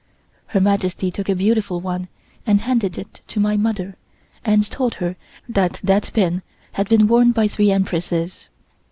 Her Majesty took a beautiful one and handed it to my mother and told her that that pin had been worn by three Empresses.